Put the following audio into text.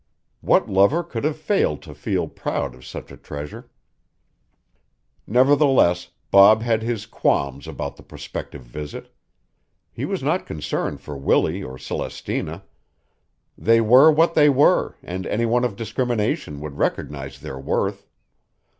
What lover could have failed to feel proud of such a treasure? Nevertheless, Bob had his qualms about the prospective visit. He was not concerned for Willie or Celestina. They were what they were and any one of discrimination would recognize their worth.